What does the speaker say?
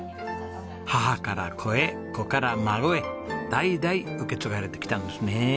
母から子へ子から孫へ代々受け継がれてきたんですね。